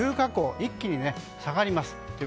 一気に下がります。